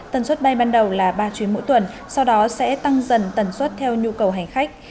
tần suất bay ban đầu là ba chuyến mỗi tuần sau đó sẽ tăng dần tần suất theo nhu cầu hành khách